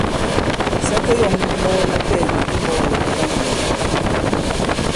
Sa ke yɔ᷇ŋ ndi ɓɔ latɛɛ̀ni i mbɔk yǎŋ la ŋyēe-la.